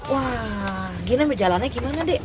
wahh gina berjalannya gimana dek